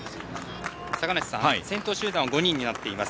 先頭集団は５人になっています。